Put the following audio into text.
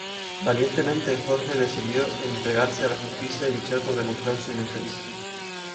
Valientemente Jorge decidió entregarse a la justicia y luchar por demostrar su inocencia.